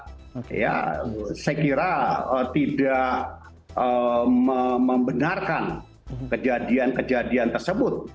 saya kira tidak membenarkan kejadian kejadian tersebut